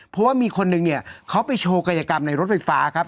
เพราะว่ามีคนนึงเนี่ยเขาไปโชว์กายกรรมในรถไฟฟ้าครับ